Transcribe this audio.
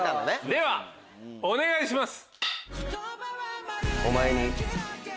ではお願いします。